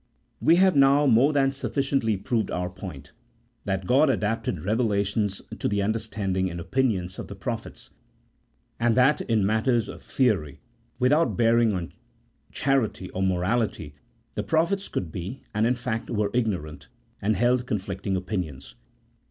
We have now more than sufficiently proved our point, that God adapted revelations to the understanding and opinions of the prophets, and that in matters of theory without bearing on charity or morality the prophets could be, and, in fact, were, ignorant, and held conflicting opinions.